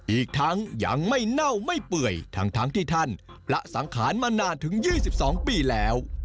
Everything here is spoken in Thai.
อีกทั้งยังไม่เน่าไม่เปื่อยทั้งที่ท่านละสังขารมานานถึง๒๒ปีแล้ว